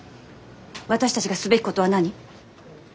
私たちがすべきことは何？